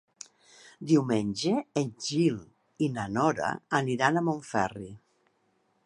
Diumenge en Gil i na Nora aniran a Montferri.